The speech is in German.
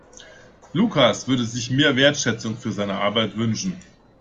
Lukas würde sich mehr Wertschätzung für seine Arbeit wünschen.